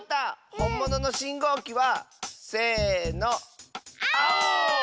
ほんもののしんごうきは。